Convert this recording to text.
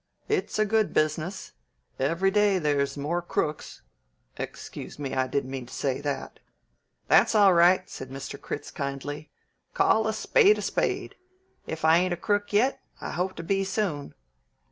It's a good business. Every day there's more crooks excuse me, I didn't mean to say that." "That's all right," said Mr. Critz kindly. "Call a spade a spade. If I ain't a crook yet, I hope to be soon."